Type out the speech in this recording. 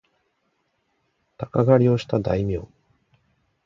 鷹狩をした大名